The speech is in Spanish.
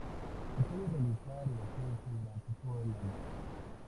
Se puede realizar el ascenso durante todo el año.